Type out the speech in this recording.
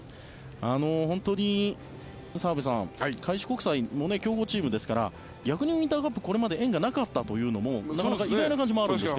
本当に澤部さん、開志国際も強豪チームですから逆にウインターカップこれまで縁がなかったというのもなかなか意外な感じがあるんですが。